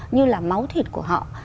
như là máu thịt của họ